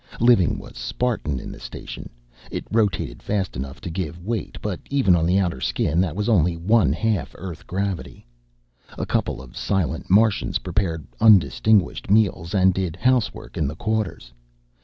Living was Spartan in the station. It rotated fast enough to give weight, but even on the outer skin that was only one half Earth gravity. A couple of silent Martians prepared undistinguished meals and did housework in the quarters.